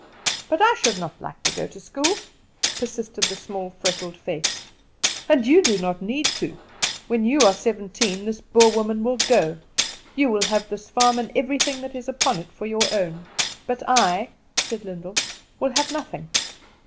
"But I should not like to go to school!" persisted the small freckled face. "And you do not need to. When you are seventeen this Boer woman will go; you will have this farm and everything that is upon it for your own; but I," said Lyndall, "will have nothing.